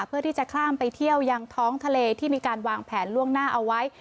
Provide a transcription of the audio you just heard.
เพื่อที่จะข้ามไปเที่ยวยังท้องทะเลที่มีการวางแผนล่วงหน้าเอาไว้